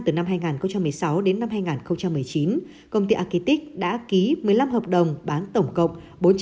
từ năm hai nghìn một mươi sáu đến năm hai nghìn một mươi chín công ty agitic đã ký một mươi năm hợp đồng bán tổng cộng